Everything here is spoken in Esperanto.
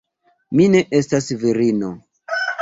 Mi ne estas virino.